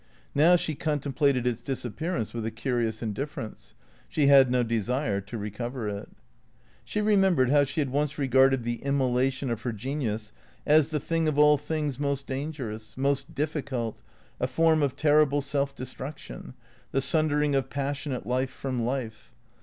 Now she contemplated its disappearance with a curious indifference. She had no desire to recover it. She remembered how she had once regarded the immolation of her genius as the thing of all things most dangerous, most difficult, a form of terrible self destruction, the sundering of passionate life from life.